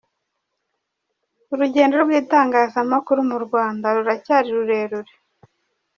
Urugendo rw’itangazamakuru mu Rwanda ruracyari rurerure.